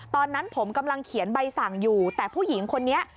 ตอนนั้นผมกำลังเขียนใบสั่งอยู่แต่ผู้หญิงคนนี้